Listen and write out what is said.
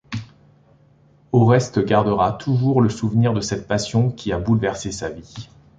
Oreste gardera toujours le souvenir de cette passion qui a bouleversé sa vie.